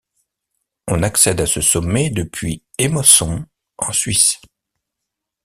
On accède à ce sommet depuis Émosson en Suisse.